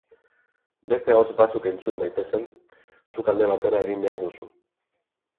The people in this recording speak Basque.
Beste ahots batzuk entzun daitezen, zuk alde batera egin behar duzu.